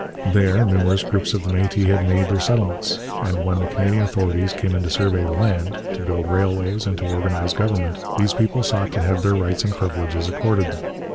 There numerous groups of the Métis had made their settlements. And when the Canadian authorities came in to survey the land, to build railways, and to organize government, these people sought to have their rights and privileges accorded them.